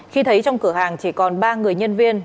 khi thấy trong cửa hàng chỉ còn ba người nhân viên